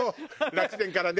楽天からね。